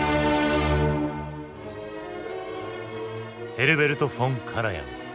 ヘルベルト・フォン・カラヤン。